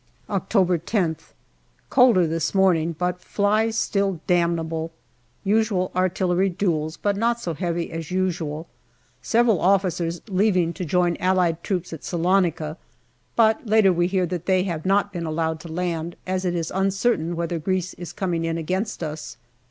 October IWh. Colder this morning but flies still damnable. Usual artillery duels, but not so heavy as usual. Several officers leaving to join Allied troops at Salonica. But later we hear that they have not been allowed to land, as it is uncer OCTOBER 243 certain whether Greece is coming in against us.